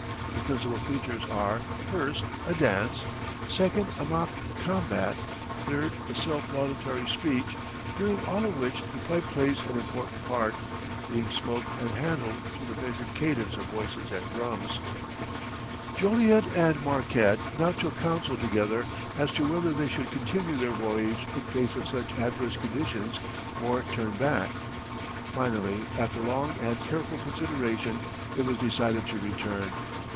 The principal features are, first, a dance; second, a mock combat; third, a self laudatory speech, during all of which the pipe plays an important part, being smoked and handled to the measured cadence of voices and drums. Joliet and Marquette now took counsel together as to whether they should continue their voyage in face of such adverse conditions or turn back. Finally, after long and careful consideration it was decided to return.